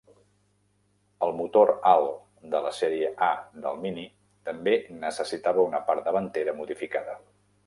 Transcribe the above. El motor alt de la sèrie A del Mini també necessitava una part davantera modificada.